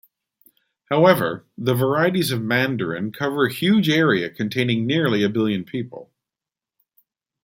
However, the varieties of Mandarin cover a huge area containing nearly a billion people.